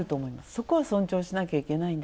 そこは尊重しないといけない。